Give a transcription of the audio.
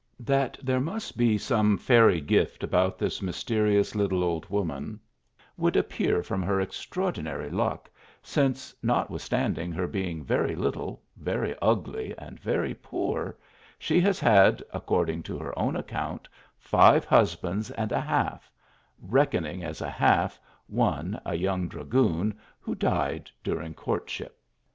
That there must be some fairy gift about this mysterious little old woman, would appear from her extraordinary luck, since, notwithstanding her being very little, very ugly, and very poor, she has had, according to her own account, five husbands and a half; reckoning as a half, one, a young dragoon who died during courtship.